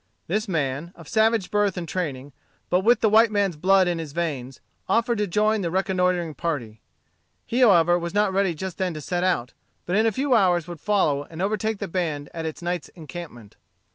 This man, of savage birth and training, but with the white man's blood in his veins, offered to join the reconnoitring party. He however was not ready just then to set out, but in a few hours would follow and overtake the band at its night's encampment.